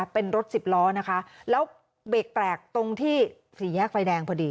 เป็นรถสิบล้อนะคะแล้วเบรกแปลกตรงที่สี่แยกไฟแดงพอดี